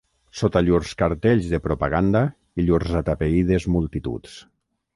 Sota llurs cartells de propaganda i llurs atapeïdes multituds